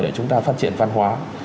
để chúng ta phát triển văn hóa